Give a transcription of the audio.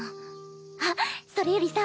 あっそれよりさ